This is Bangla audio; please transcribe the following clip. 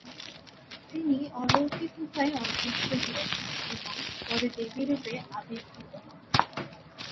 তিনি অলৌকিক উপায়ে অদৃশ্য হয়ে যান এবং পরে দেবী রূপে আবির্ভূত হন।